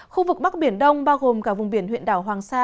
khu vực bắc biển đông bao gồm cả vùng biển huyện đảo hoàng sa